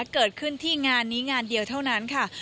เกิดขึ้นที่งานนี้งานเดียวเท่านั้นค่ะ